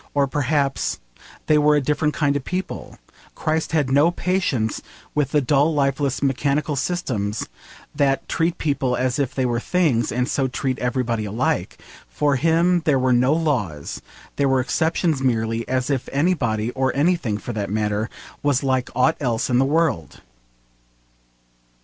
Or perhaps they were a different kind of people. Christ had no patience with the dull lifeless mechanical systems that treat people as if they were things, and so treat everybody alike: for him there were no laws: there were exceptions merely, as if anybody, or anything, for that matter, was like aught else in the world!